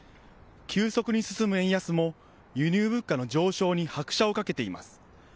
急速に進む円安も輸入物価の上昇に拍車をかけています。